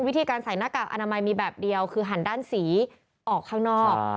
วิธีการใส่หน้ากากอนามัยมีแบบเดียวคือหันด้านสีออกข้างนอก